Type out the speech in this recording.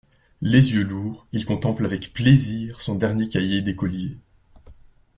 Les yeux lourds, il contemple avec plaisir son dernier cahier d’écolier.